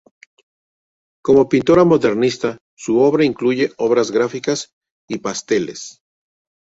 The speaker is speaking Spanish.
Como pintora modernista, su obra incluye obras gráficas y pasteles.